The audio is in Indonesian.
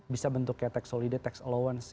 bisa bentuk kayak tax solide tax allowance